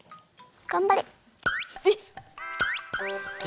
がんばれ！